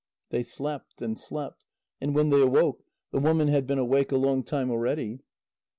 They slept and slept, and when they awoke, the woman had been awake a long time already.